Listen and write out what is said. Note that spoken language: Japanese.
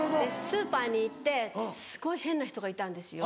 スーパーに行ってすごい変な人がいたんですよ。